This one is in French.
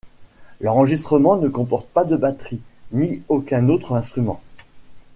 L’enregistrement ne comporte pas de batterie ni aucun autre instrument.